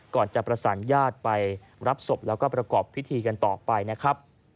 ก่อนจะประสานญาติไปรับศพแล้วก็ประกอบพิธีกันต่อไปนะครับ